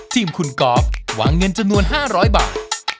ทีมคุณกอล์ฟวางเงินจำนวน๕๐๐บาท